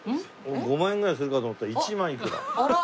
５万円ぐらいするかと思ったら１万いくら。